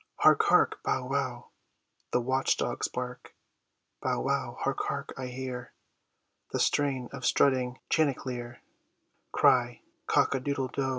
Hark, hark! Bow, wow, The watch dogs bark: Bow, wow, Hark, hark! I hear The strain of strutting chanticleer Cry, Cock a diddle dow!